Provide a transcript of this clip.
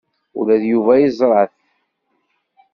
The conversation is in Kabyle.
Ula d Yuba yeẓra-t.